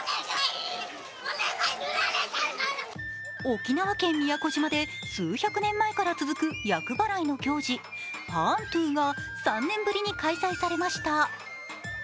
沖縄県宮古島で数百年前から続く厄払いの行事、パーントゥが３年ぶりに開催されました。